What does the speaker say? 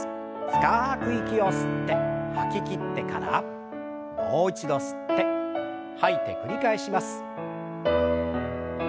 深く息を吸って吐ききってからもう一度吸って吐いて繰り返します。